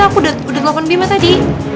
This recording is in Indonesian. aku udah telah menemukan bima tadi